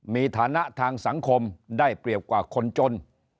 มีฐานะทางสังคมได้เปรียบกว่าคนจน